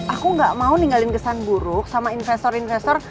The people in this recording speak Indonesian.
aku gak mau ninggalin kesan buruk sama investor investor